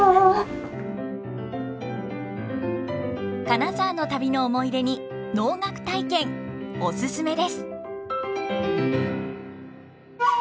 金沢の旅の思い出に能楽体験お勧めです！